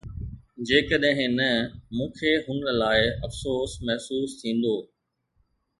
جيڪڏهن نه، مون کي هن لاء افسوس محسوس ٿيندو